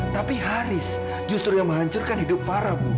tapi haris justru yang menghancurkan hidup para bu